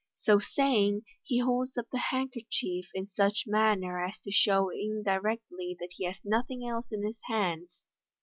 So saying, he holds up the handkerchief, in such manner as to show in directly that he has nothing else in his hands.